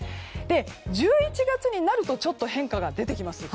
１１月になるとちょっと変化が出てきます。